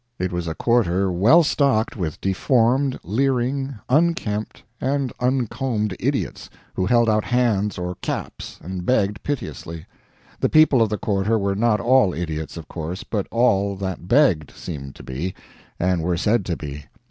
It was a quarter well stocked with deformed, leering, unkempt and uncombed idiots, who held out hands or caps and begged piteously. The people of the quarter were not all idiots, of course, but all that begged seemed to be, and were said to be.